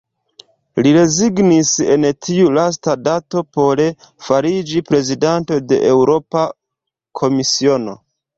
Li rezignis en tiu lasta dato por fariĝi prezidanto de Eŭropa Komisiono.